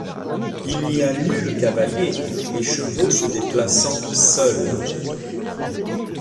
Il n'y a nul cavalier, les chevaux se déplaçant seuls.